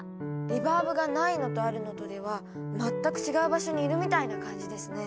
リバーブがないのとあるのとでは全く違う場所にいるみたいな感じですね。